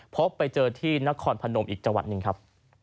พบไปเจอที่นครพนมอีกจังหวัดหนึ่งครับ